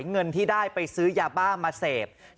เงินที่ได้ไปซื้อยาบ้ามาเสพ